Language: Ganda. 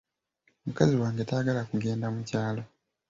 Mukazi wange tayagala kugenda mu kyalo.